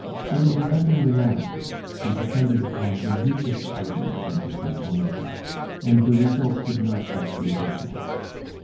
In inventing the narrative he depended upon the weakest element in his mental make up, and the result could not but be dismal.